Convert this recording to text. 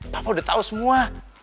papa udah tau semua